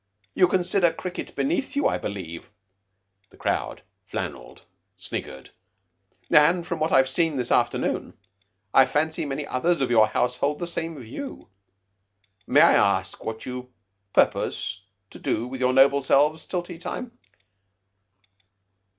You consider cricket beneath you, I believe" the crowd, flannelled, sniggered "and from what I have seen this afternoon, I fancy many others of your house hold the same view. And may I ask what you purpose to do with your noble selves till tea time?"